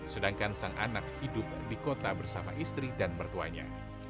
sedangkan sang anak hidup di kota bersama istri dan mertuanya